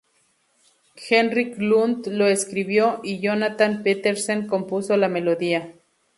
Henrik Lund lo escribió, y Jonathan Petersen compuso la melodía.